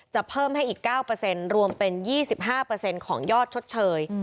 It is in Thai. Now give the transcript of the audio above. จะเพิ่มให้อีก๙รวมเป็น๒๕ของยอดชดเชย